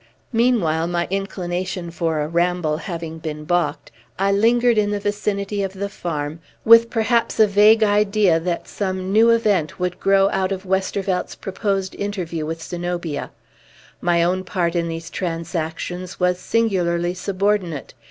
Meanwhile, my inclination for a ramble having been balked, I lingered in the vicinity of the farm, with perhaps a vague idea that some new event would grow out of Westervelt's proposed interview with Zenobia. My own part in these transactions was singularly subordinate.